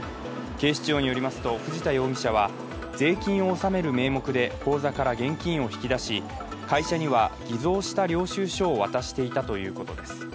警視庁によりますと、藤田容疑者は税金を納める名目で口座から現金を引き出し会社には偽造した領収書を渡していたということです。